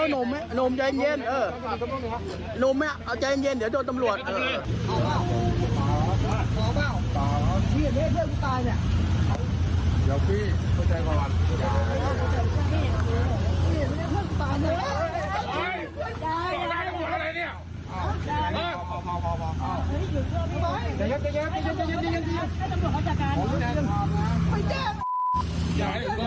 โน้มนี่โน้มใจเย็นเดี๋ยวโดดตำรวจ